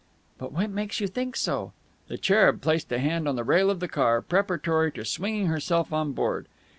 "But what makes you think so?" The cherub placed a hand on the rail of the car, preparatory to swinging herself on board.